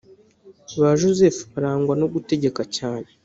Ba Joseph barangwa no gutegeka cyane